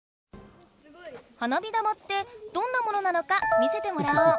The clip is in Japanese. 花火玉ってどんなものなのか見せてもらおう！